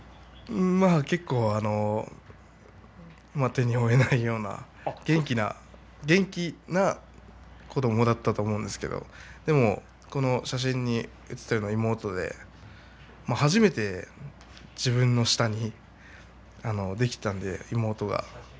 結構、手に負えないような元気な子どもだったと思うんですけれどこの写真に写っているのは妹で初めて自分の下にできたんで、妹が。